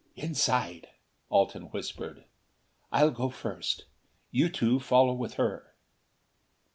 "Inside!" Alten whispered. "I'll go first. You two follow with her."